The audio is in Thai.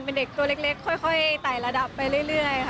เป็นเด็กตัวเล็กค่อยไต่ระดับไปเรื่อยค่ะ